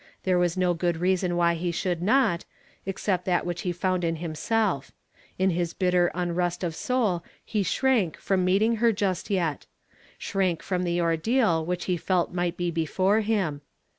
There was no good reason why he should not, except that which he found in him self ; in his bitter unrest of soul he shrank fiom meeting her just yet; shrank from the ordeal which he felt might be before him.